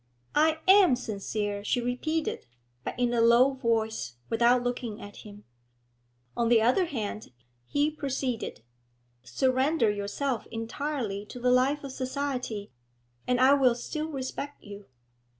'I am sincere,' she repeated, but in a low voice, without looking at him. 'On the other hand,' he proceeded, 'surrender yourself entirely to the life of society, and I will still respect you.